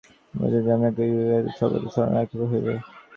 গুরু বলিতে ভারতে আমরা কি বুঝি, এটি সর্বদা স্মরণ রাখিতে হইবে।